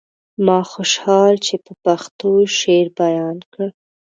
ما خوشحال چې په پښتو شعر بيان کړ.